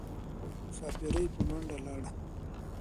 ښاپیرۍ په منډه لاړه